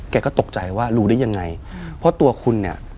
แกก็ตกใจว่ารู้ได้ยังไงเพราะตัวคุณเนี่ย